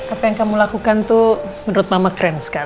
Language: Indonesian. apa yang kamu lakukan tuh menurut mama keren sekali